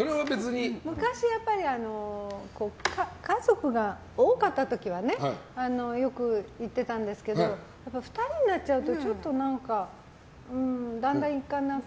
昔、家族が多かった時はよく行ってたんですけど２人になっちゃうとちょっと何かだんだん行かなく。